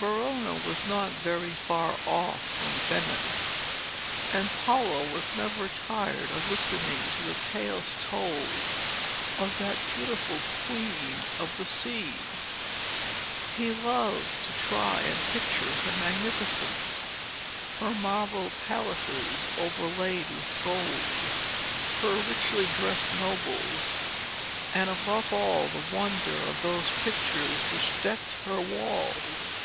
Verona was not very far off from Venice, and Paolo was never tired of listening to the tales told of that beautiful Queen of the Sea. He loved to try and picture her magnificence, her marble palaces overlaid with gold, her richly dressed nobles, and, above all, the wonder of those pictures which decked her walls.